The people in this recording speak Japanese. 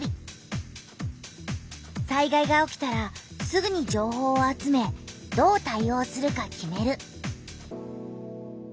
災害が起きたらすぐに情報を集めどう対おうするか決める。